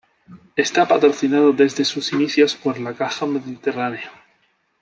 Está patrocinado desde sus inicios por la Caja Mediterráneo.